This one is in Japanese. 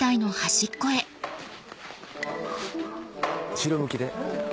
後ろ向きで。